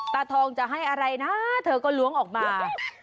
ตาทองจะให้อะไรนะเธอก็ล้วงออกมา